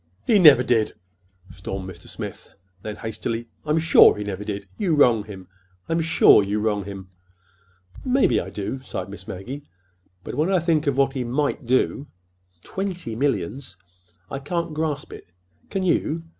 '" "He never did!" stormed Mr. Smith; then, hastily: "I'm sure he never did. You wrong him. I'm sure you wrong him." "Maybe I do," sighed Miss Maggie. "But when I think of what he might do—Twenty millions! I can't grasp it. Can you?